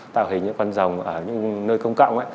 tạo hình những con rồng ở những nơi công cộng ấy